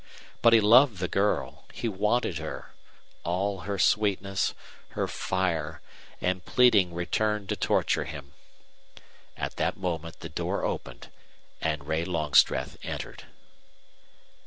But he loved the girl. He wanted her. All her sweetness, her fire, and pleading returned to torture him. At that moment the door opened, and Ray Longstreth entered.